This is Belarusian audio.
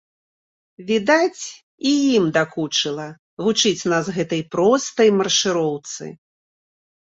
Відаць, і ім дакучыла вучыць нас гэтай простай маршыроўцы.